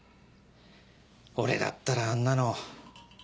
俺だったらあんなの。